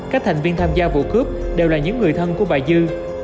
các thành viên tham gia vụ cướp đều là những người thân của bà dư